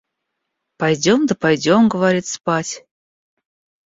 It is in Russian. Пойдем да пойдем, говорит, спать.